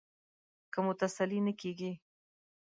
که مو تسلي نه کېږي.